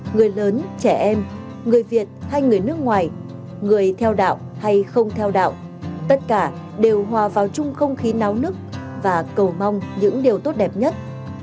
người lớn trẻ em người việt hay người nước ngoài người theo đạo hay không theo đạo tất cả đều hòa vào chung không khí náo nức và cầu mong những điều tốt đẹp nhất